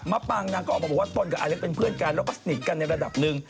ปางนางก็ออกมาบอกว่าตนกับอเล็กเป็นเพื่อนกันแล้วก็สนิทกันในระดับหนึ่ง